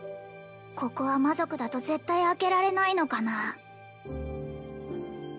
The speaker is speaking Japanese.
ここは魔族だと絶対開けられないのかな